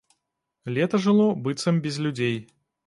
Лета жыло быццам без людзей.